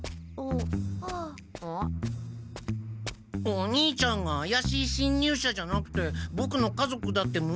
お兄ちゃんがあやしい侵入者じゃなくてボクの家族だってむ